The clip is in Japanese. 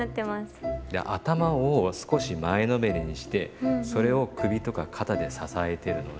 頭を少し前のめりにしてそれを首とか肩で支えてるので。